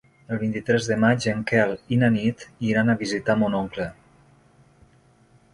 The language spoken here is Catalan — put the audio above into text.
El vint-i-tres de maig en Quel i na Nit iran a visitar mon oncle.